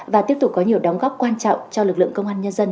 và tiếp tục có nhiều đóng góp quan trọng cho lực lượng công an nhân dân